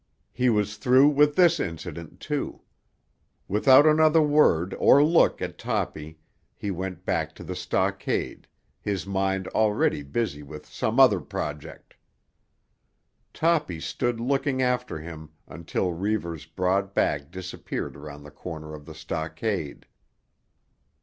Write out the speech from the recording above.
He was through with this incident, too. Without another word or look at Toppy he went back to the stockade, his mind already busy with some other project. Toppy stood looking after him until Reivers' broad back disappeared around the corner of the stockade.